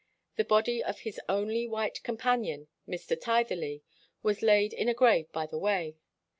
The body of his only white companion, Mr. Tytherleigh, was laid in a grave by the way.